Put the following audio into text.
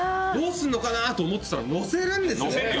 どうすんのかなと思ってたら載せるんですね！